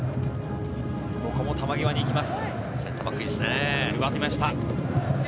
ここも球際に行きます。